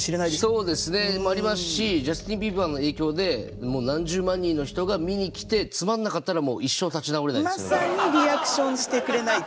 そうですね。もありますしジャスティンビーバーの影響で何十万人の人が見に来てつまんなかったらまさにリアクションしてくれない。